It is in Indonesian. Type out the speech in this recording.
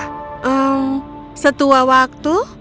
hmm setuah waktu